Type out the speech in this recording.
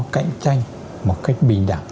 cạnh tranh một cách bình đẳng